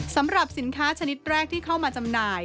สำหรับสินค้าชนิดแรกที่เข้ามาจำหน่าย